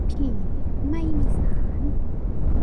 ผีไม่มีศาล